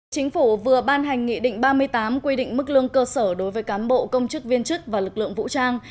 chính phủ vừa ban hành nghị định ba mươi tám quy định mức lương cơ sở đối với cán bộ công chức viên chức và lực lượng vũ trang